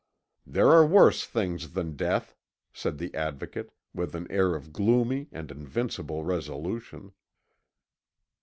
"There are worse things than death," said the Advocate, with an air of gloomy and invincible resolution.